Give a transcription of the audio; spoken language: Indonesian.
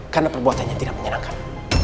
karena perbuatannya tidak menyenangkan